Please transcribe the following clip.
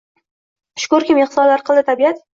Shukrkim, ehsonlar qildi tabiat…